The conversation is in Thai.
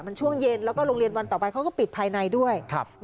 มันช่วงเย็นแล้วก็โรงเรียนวันต่อไปเขาก็ปิดภายในด้วย